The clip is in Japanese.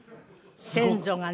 先祖がね。